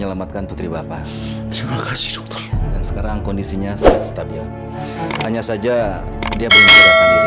aku gak boleh